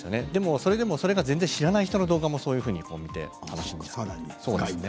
それでもそれが全然知らない人の動画もそういうふうに入ってきます。